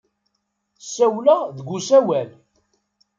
Ssawleɣ deg usawal.